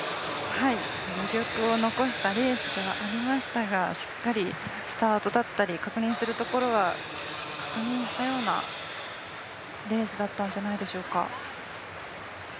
余力を残したレースではありましたがしっかりスタートだったり確認するところは確認したようなレースだったんじゃないでしょうか。